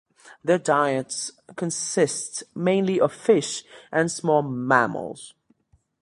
Their diets consist mainly of fish and small mammals.